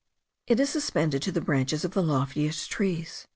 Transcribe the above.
It is suspended to the branches of the loftiest trees.